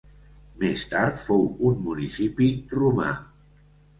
Més tard fou un municipi romà.